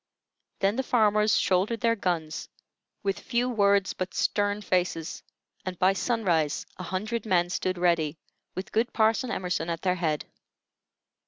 Then the farmers shouldered their guns, with few words but stern faces, and by sunrise a hundred men stood ready, with good Parson Emerson at their head.